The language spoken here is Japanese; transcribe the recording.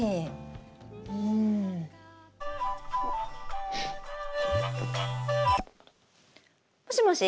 うん。もしもし？